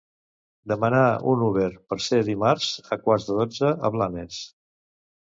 Demanar un Uber per ser dimarts a quarts de dotze a Blanes.